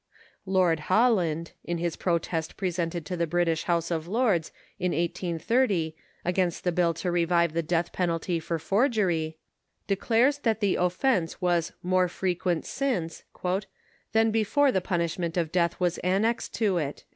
"* Lord Holland, in his protest presented to the British House of Lords in 1830 against the bill to revive the death penalty for forgery, declares that the offense was " more frequent*^ since <*than before the punishment of death was annexed to it."